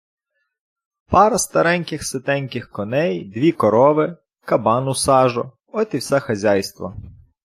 Пара стареньких ситеньких коней, дві корови, кабан у сажу - от і все хазяйство.